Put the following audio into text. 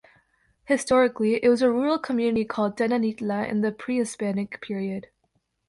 Historically, it was a rural community, called Tenanitla in the pre-Hispanic period.